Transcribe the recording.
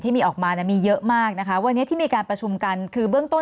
มีออกมาเนี่ยมีเยอะมากนะคะวันนี้ที่มีการประชุมกันคือเบื้องต้น